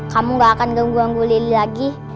kamu gak akan ganggu ganggu lili lagi